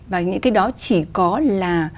và những cái đó chỉ có là